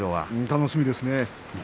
楽しみですね。